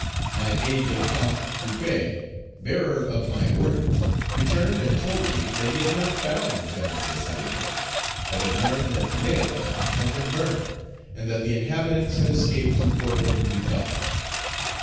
My aide de camp, Couppé, bearer of my orders, returned and told me that he had not found Gen. Dessalines, but had learned that Léogane had been burned, and that the inhabitants had escaped to Port Républicain.